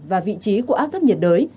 và vị trí của áp thấp nhiệt đới